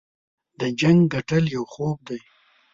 د جنګ ګټل یو خوب دی.